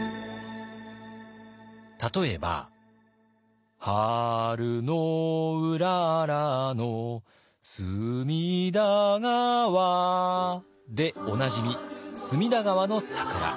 例えば「春のうららの隅田川」でおなじみ隅田川の桜。